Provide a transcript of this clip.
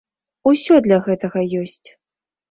Усё для гэтага ёсць!